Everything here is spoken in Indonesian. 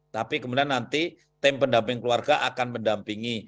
tapi kemudian nanti tim pendamping keluarga akan mendampingi